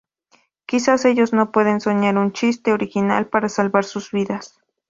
Quizás ellos no pueden soñar un chiste original para salvar sus vidas.